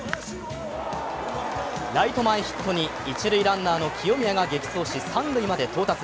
ライト前ヒットに一塁ランナーの清宮が激走し三塁まで到達。